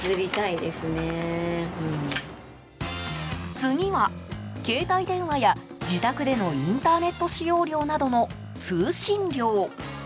次は、携帯電話や自宅でのインターネット使用料などの通信料。